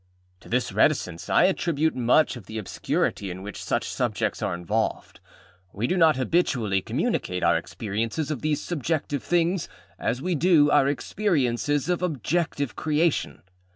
To this reticence I attribute much of the obscurity in which such subjects are involved. We do not habitually communicate our experiences of these subjective things as we do our experiences of objective creation.